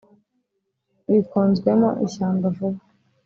bikonzwemo ishyamba vuba